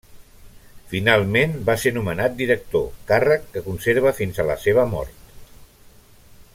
Finalment va ser nomenat director, càrrec que conserva fins a la seva mort.